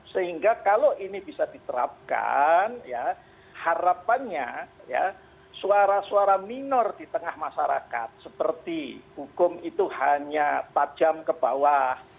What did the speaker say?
sehingga kalau ini bisa diterapkan harapannya suara suara minor di tengah masyarakat seperti hukum itu hanya tajam ke bawah